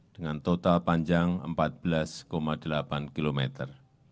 dengan total panjang empat belas delapan kilometer